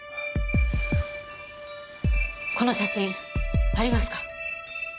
この写真ありますか？